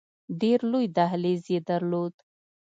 ډېر لوی دهلیز یې درلود.